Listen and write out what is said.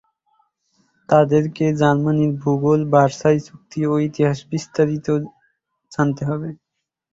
তাদেরকে জার্মানির ভূগোল, ভার্সাই চুক্তি ও ইতিহাস বিস্তারিত জানতে হবে।